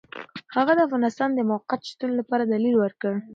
هغه د افغانستان د موقت شتون لپاره دلیل ورکړ.